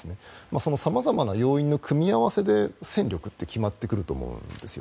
様々な要因の組み合わせで戦力って決まってくると思うんですよ。